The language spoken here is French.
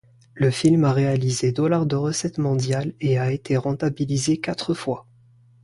Le film a réalisé dollars de recettes mondiales et a été rentabilisé quatre fois.